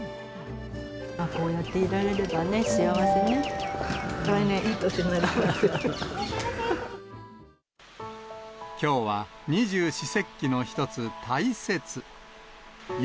こうやっていられればね、来年、いい年になりますようきょうは二十四節気の一つ、大雪。